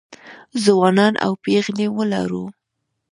ځوانان او پېغلې ولرو